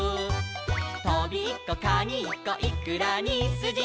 「トビッコカニッコイクラにスジコ」